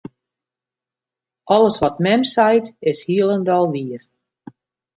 Alles wat mem seit, is hielendal wier.